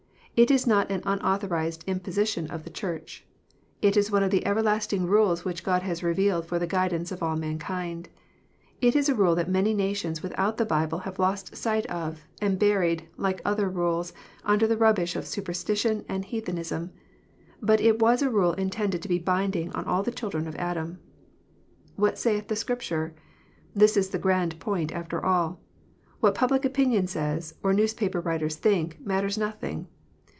It is not an unauthorized imposition of the Church. It is one of the everlasting rules which God has revealed for the guidance of all mankind. It is a rule that many nations without the Bible have lost sight of, and buried, like other rules, under the rubbish of superstition and heathenism. But it was a rule intended to be binding on all the children of Adam. What saith the Scripture ? This is the grand point after all. What public opinion says, or newspaper writers think, matters nothing.